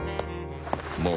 もう。